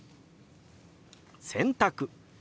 「洗濯」。